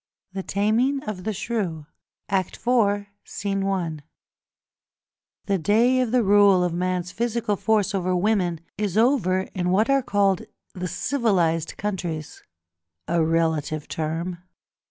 The Taming of the Shrew, IV. i. The day of the rule of man's physical force over women is over in what are called the civilised countries—a relative term!